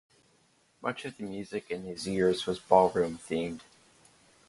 Much of the music in these years was ballroom-themed.